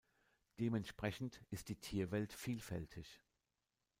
Dementsprechend ist die Tierwelt vielfältig.